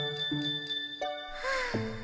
はあ。